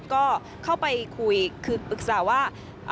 ก็เข้าไปคุยคือปรึกษาว่า